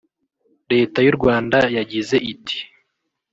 Leta y’u Rwanda yagize iti